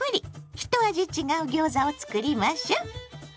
一味違うギョーザを作りましょ。